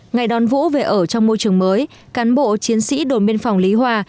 ngày đón vũ về ở trong môi trường mới cán bộ chiến sĩ đồn biên phòng lý hòa